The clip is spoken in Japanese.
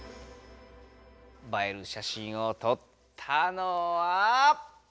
映える写真をとったのはウシチーム！